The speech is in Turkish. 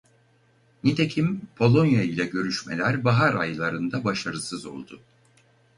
Nitekim Polonya ile görüşmeler bahar aylarında başarısız oldu.